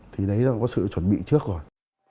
thì đấy là có sự chuẩn bị trước rồi